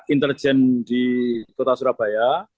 intelijen di kota surabaya